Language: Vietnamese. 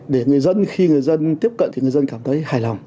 để khi người dân tiếp cận thì người dân cảm thấy hài lòng